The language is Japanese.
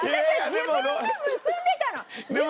自分で結んでたら。